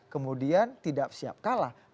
kemudian tidak siap kalah